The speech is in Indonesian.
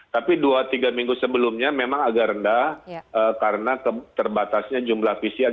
tapi dua tiga minggu sebelumnya memang agak rendah karena terbatasnya jumlah pcr